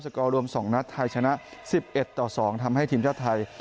สกรวม๒นัดไทยชนะ๑๑๒ทำให้ทีมชาวไทย